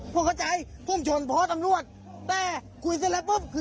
พี่คุณเนี่ยเขาไม่ได้ต้อยเราอย่างนี้